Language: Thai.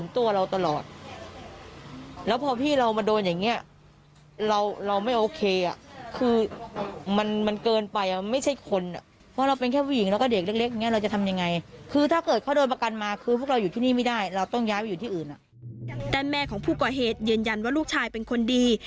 แม่ของผู้ก่อเหตุยืนยันว่าลูกชายเป็นคนดี